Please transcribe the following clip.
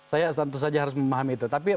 saya tentu saja harus memahami itu